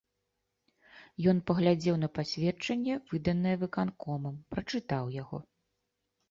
Ён паглядзеў на пасведчанне, выданае выканкомам, прачытаў яго.